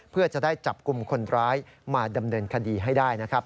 เพื่อจะได้จับกลุ่มคนร้ายมาดำเนินคดีให้ได้นะครับ